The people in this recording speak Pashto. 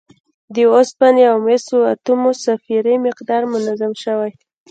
د اوسپنې او مسو اتوموسفیري مقدار منظم زیات شوی